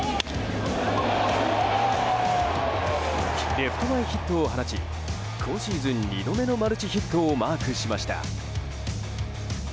レフト前ヒットを放ち今シーズン２度目のマルチヒットをマークしました。